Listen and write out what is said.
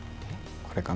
これかな？